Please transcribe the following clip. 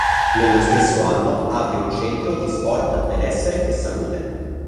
Nello stesso anno apre un centro di Sport Benessere e Salute.